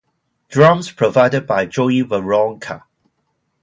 Drums provided by Joey Waronker.